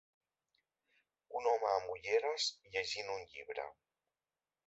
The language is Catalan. Un home amb ulleres llegint un llibre.